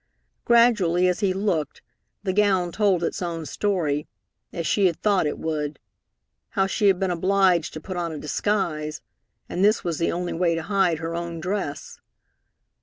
Gradually, as he looked, the gown told its own story, as she had thought it would: how she had been obliged to put on a disguise, and this was the only way to hide her own dress.